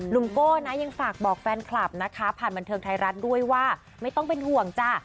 โก้นะยังฝากบอกแฟนคลับนะคะผ่านบันเทิงไทยรัฐด้วยว่าไม่ต้องเป็นห่วงจ้ะ